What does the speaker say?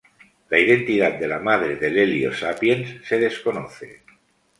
La identidad de la madre de Lelio Sapiens se desconoce.